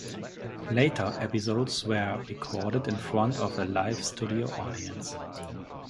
Later episodes were recorded in front of a live studio audience.